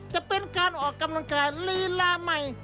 จะเป็นการออกกำลังกายลีลาใหม่